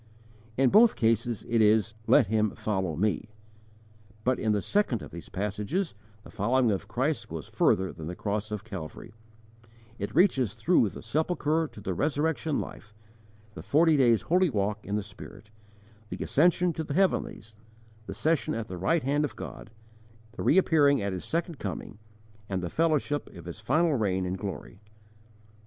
In both cases it is, "Let him follow Me"; but in the second of these passages the following of Christ goes further than the cross of Calvary; it reaches through the sepulchre to the Resurrection Life, the Forty Days' Holy Walk in the Spirit, the Ascension to the Heavenlies, the session at the Right Hand of God, the Reappearing at His Second Coming, and the fellowship of His final Reign in Glory.